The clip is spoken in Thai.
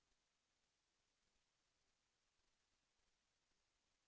แสวได้ไงของเราก็เชียนนักอยู่ค่ะเป็นผู้ร่วมงานที่ดีมาก